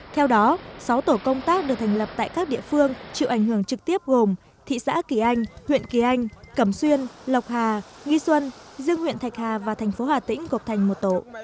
theo đó sáu tổ công tác được thành lập tại các địa phương chịu ảnh hưởng trực tiếp gồm thị xã kỳ anh huyện kỳ anh cẩm xuyên lộc hà nghi xuân dương huyện thạch hà và thành phố hà tĩnh gộp thành một tổ